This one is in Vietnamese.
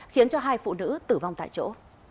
khiến hai phụ nữ tử vong tại chỗ